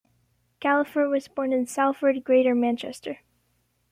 Gallagher was born in Salford, Greater Manchester.